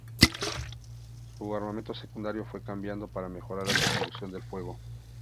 Su armamento secundario fue cambiado para mejorar la distribución del fuego.